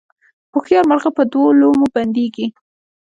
هوښیار مرغه په دوو لومو بندیږي